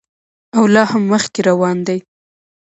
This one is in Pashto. او لا هم مخکې روان دی.